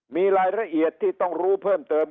มีรายละเอียดที่ต้องรู้เพิ่มเติม